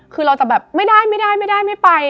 คือเราจะแบบไม่ได้ไม่ไป